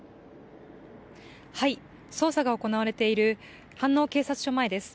捜査が行われている飯能警察署前です。